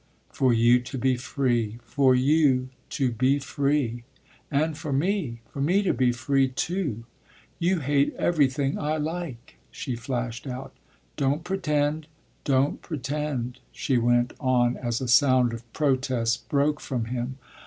"For you to be free for you to be free. And for me for me to be free too. You hate everything I like!" she flashed out. "Don't pretend, don't pretend!" she went on as a sound of protest broke from him.